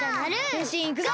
へんしんいくぞ！